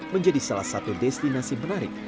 menjadi salah satu destinasi menarik